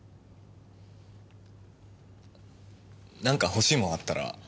何か欲しいもんあったら。